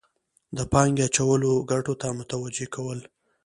د پانګې اچولو ګټو ته متوجه کول.